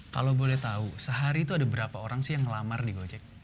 kalau boleh tahu sehari itu ada berapa orang sih yang ngelamar di gojek